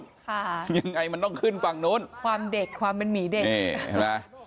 ยังไงมันต้องขึ้นฝั่งนู้นความเด็กความเป็นหมีเด็ก